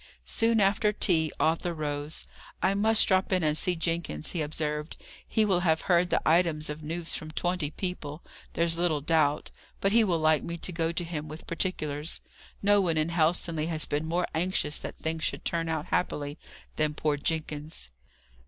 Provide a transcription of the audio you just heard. Soon after tea, Arthur rose. "I must drop in and see Jenkins," he observed. "He will have heard the items of news from twenty people, there's little doubt; but he will like me to go to him with particulars. No one in Helstonleigh has been more anxious that things should turn out happily, than poor Jenkins."